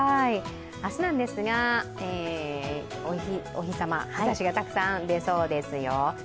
明日なんですが、日ざしがたくさん出そうですよ。